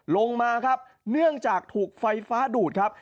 ลงมาครับเนื่องจากถูกไฟฟ้าดูดครับ